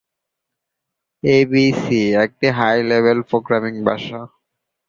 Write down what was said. ABC একটি high level programming ভাষা।